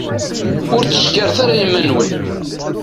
Ur ttcekkiret ara iman-nwen.